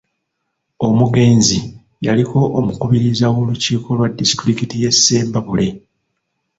Omugenzi yaliko Omukubiriza w'olukiiko lwa disitulikiti y'e Ssembabule